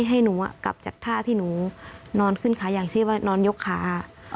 ให้หนูกลับจากท่าที่หนูนอนขึ้นขาอย่างที่ว่านอนยกขา